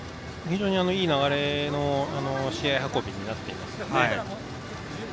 非常にいい流れの試合運びになっていますね。